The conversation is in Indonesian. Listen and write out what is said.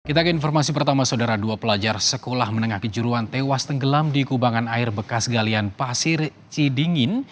kita ke informasi pertama saudara dua pelajar sekolah menengah kejuruan tewas tenggelam di kubangan air bekas galian pasir cidingin